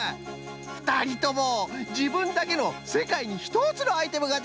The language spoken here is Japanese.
ふたりともじぶんだけのせかいにひとつのアイテムができた！